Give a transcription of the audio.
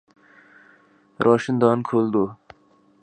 روشن دان کھول دو